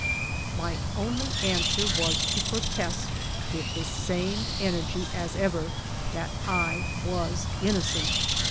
My ALFRED DREYFUS 35 only answer was to protest, with the same energy as ever, that I was innocent.